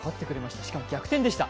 しかも逆転でした。